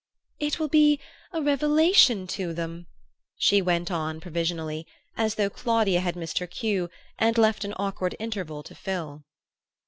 "It will be a revelation to them," she went on provisionally, as though Claudia had missed her cue and left an awkward interval to fill.